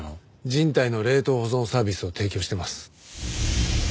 人体の冷凍保存サービスを提供してます。